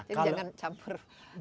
ini jangan campur